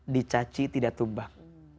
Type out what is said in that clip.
dicaci tidak tumbang